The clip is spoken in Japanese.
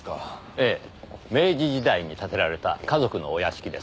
ええ明治時代に建てられた華族のお屋敷です。